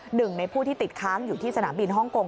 หนึ่งในผู้ที่ติดค้างอยู่ที่สนามบินฮ่องกง